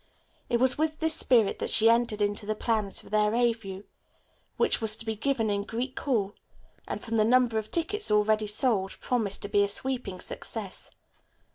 It was with this spirit that she entered into the plans for their revue, which was to be given in Greek Hall, and from the number of tickets already sold promised to be a sweeping success.